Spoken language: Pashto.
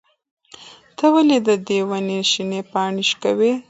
ته ولې د دې ونې شنې پاڼې شوکوې؟